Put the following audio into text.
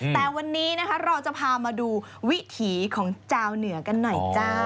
แต่วันนี้นะคะเราจะพามาดูวิถีของชาวเหนือกันหน่อยจ้า